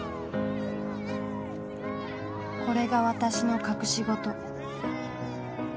これが私の隠し事。